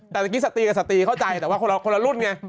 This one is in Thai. แต่เมื่อกี้สตรีกับสตรีเข้าใจแต่ว่าคนละรุ่นไง